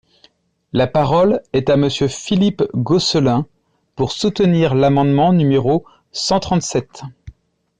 La parole est à Monsieur Philippe Gosselin, pour soutenir l’amendement numéro cent trente-sept.